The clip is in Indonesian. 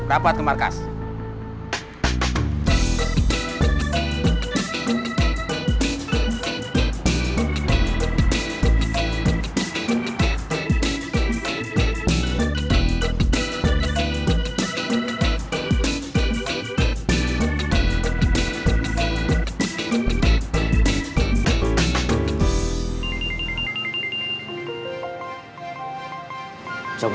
dapat ke markas